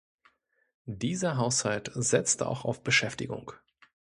Dieser Haushalt setzt auch auf Beschäftigung.